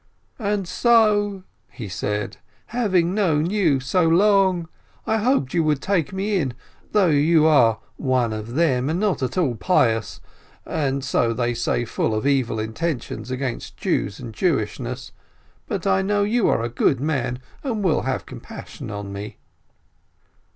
"And so," he said, "having known you so long, I hoped you would take me in, although you are 'one of them/ not at all pious, and, so they say, full of evil intentions against Jews and Jewishness; but I know you are a good man, and will have compassion on me."